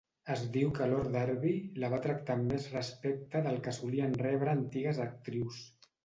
Es diu que Lord Derby la va tractar amb més respecte del que solien rebre antigues actrius.